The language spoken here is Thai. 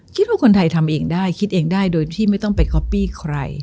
คิดว่าคนไทยทำเองได้คิดเองได้โดยที่ไม่ต้องไปก๊อปปี้ใคร